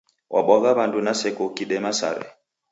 Wabwagha w'andu na seko ukidema sare.